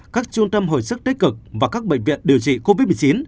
các trung tâm hồi sức tích cực và các bệnh viện điều trị covid một mươi chín